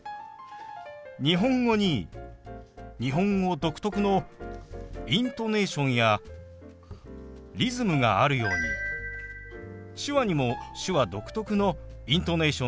日本語に日本語独特のイントネーションやリズムがあるように手話にも手話独特のイントネーションやリズムがあります。